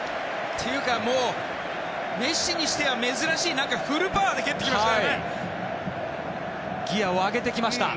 というかメッシにしては珍しいフルパワーで蹴ってきましたね。